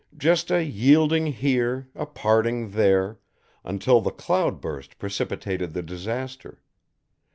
Just a yielding here, a parting there, until the cloudburst precipitated the disaster.